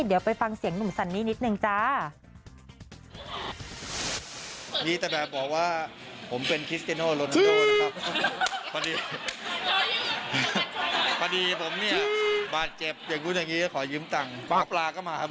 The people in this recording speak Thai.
เดี๋ยวไปฟังเสียงหนุ่มซันนี่นิดนึงจ้า